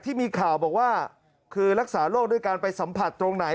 ที่มีข่าวบอกว่าคือรักษาโรคด้วยการไปสัมผัสตรงไหน